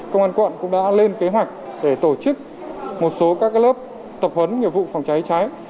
công an quận cũng đã lên kế hoạch để tổ chức một số các lớp tập huấn nghiệp vụ phòng cháy cháy